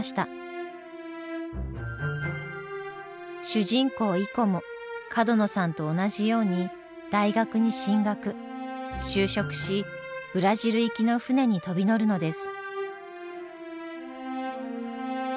主人公イコも角野さんと同じように大学に進学就職しブラジル行きの船に飛び乗るのです。